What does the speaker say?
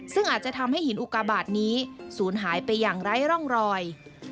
ซึ่งอาจจะทำให้หินอุกาบาทนี้ศูนย์หายไปอย่างไร้ร่องรอย